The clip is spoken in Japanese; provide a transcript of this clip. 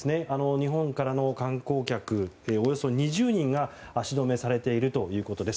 日本からの観光客およそ２０人が足止めされているということです。